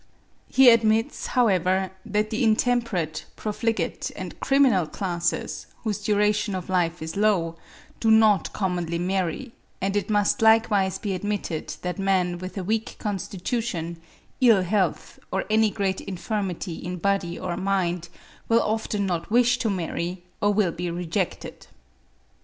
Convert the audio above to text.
He admits, however, that the intemperate, profligate, and criminal classes, whose duration of life is low, do not commonly marry; and it must likewise be admitted that men with a weak constitution, ill health, or any great infirmity in body or mind, will often not wish to marry, or will be rejected.